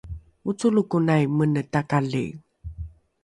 ocolokonai mene takali